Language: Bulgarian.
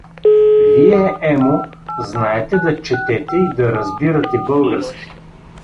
Вие, Емо, знаете да четете и да разбирате български!